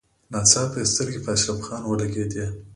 ناڅاپه يې سترګې په اشرف خان ولګېدې.